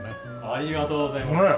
ありがとうございます！